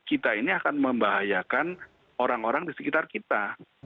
kita ini akan membahayakan orang orang di sekitar kita